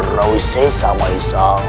rauh sesama isa